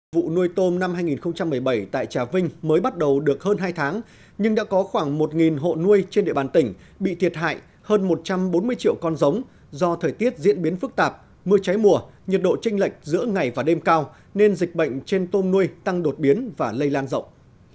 vụ nuôi tôm năm hai nghìn một mươi bảy tại trà vinh mới bắt đầu được hơn hai tháng nhưng đã có khoảng một hộ nuôi trên địa bàn tỉnh bị thiệt hại hơn một trăm bốn mươi triệu con giống do thời tiết diễn biến phức tạp mưa cháy mùa nhiệt độ tranh lệch giữa ngày và đêm cao nên dịch bệnh trên tôm nuôi tăng đột biến và lây lan rộng